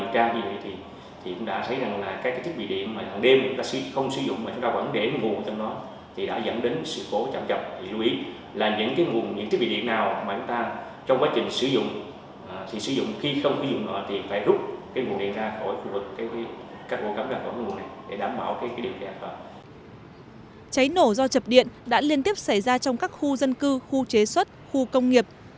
trái nổ do chập điện đã liên tiếp xảy ra trong các khu dân cư khu chế xuất khu công nghiệp